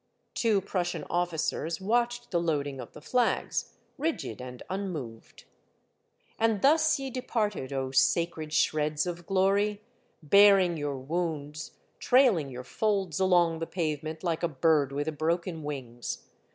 Two Prus sian officers watched the loading of the flags, rigid and unmoved. And thus ye departed, O sacred shreds of Glory, baring your wounds, trailing your folds along the pavement, like a bird with broken wings.